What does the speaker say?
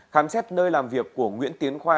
khám xét nơi làm việc của nguyễn tiến khoa